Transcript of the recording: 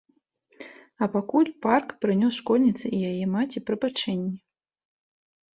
А пакуль парк прынёс школьніцы і яе маці прабачэнні.